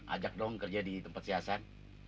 ajak dong kerja di tempat si hasan